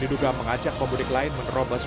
diduga mengajak pemudik lain menerobos